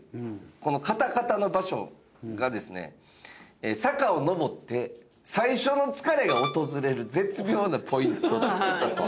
このＣａｔａＣａｔａの場所がですね坂を上って最初の疲れが訪れる絶妙なポイントだと。